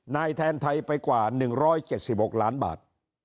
นายแทนไทยไปกว่า๑๗๖ล้านบาท